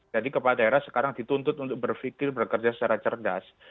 jadi kepala daerah sekarang dituntut untuk berpikir berkerja secara cerdas